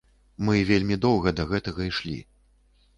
Мы вельмі доўга да гэтага ішлі.